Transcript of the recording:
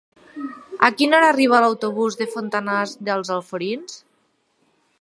A quina hora arriba l'autobús de Fontanars dels Alforins?